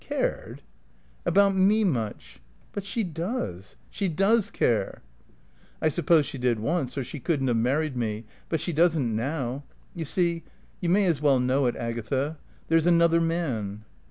"Cared?" "About me much." "But she does, she does care!" "I suppose she did once, or she couldn't have married me. But she doesn't now. You see you may as well know it, Agatha there's another man."